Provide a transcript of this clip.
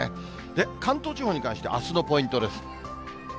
で、関東地方に関してあすのポイントです。